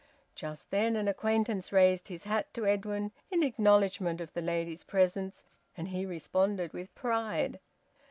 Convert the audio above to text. Just then an acquaintance raised his hat to Edwin in acknowledgement of the lady's presence, and he responded with pride.